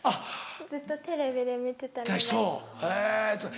ずっとテレビで見てたので。